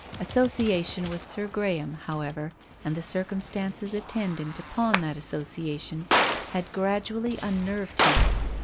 Association with Sir Graham, however, and the circumstances attendant upon that association, had gradually unnerved him.